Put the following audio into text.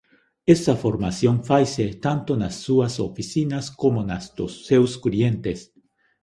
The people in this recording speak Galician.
Esa formación faise tanto nas súas oficinas como nas dos seus clientes.